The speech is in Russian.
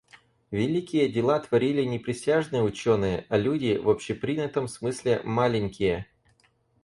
Великие дела творили не присяжные ученые, а люди, в общепринятом смысле, маленькие.